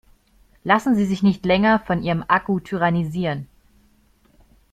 Lassen Sie sich nicht länger von ihrem Akku tyrannisieren!